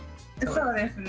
そうですね。